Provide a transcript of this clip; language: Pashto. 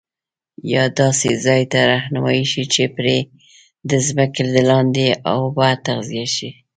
یا داسي ځاي ته رهنمایی شي چي پري د ځمکي دلاندي اوبه تغذیه شي